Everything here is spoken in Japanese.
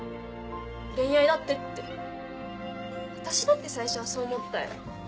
恋愛だってって私だって最初はそう思ったよ。